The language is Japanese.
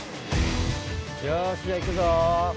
よっしゃいくぞ。